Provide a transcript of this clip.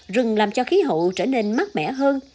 rừng làm cho khí hậu trở nên mát mẻ hơn